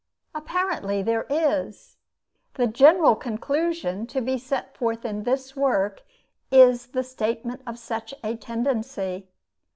Apparently there is. The general conclusion to be set forth in this work is the statement of such a tendency.